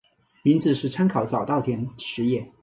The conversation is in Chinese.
名字是参考早稻田实业。